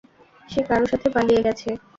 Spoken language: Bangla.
সে কারো সাথে পালিয়ে গেছে।